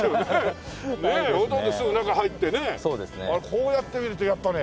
こうやって見るとやっぱね。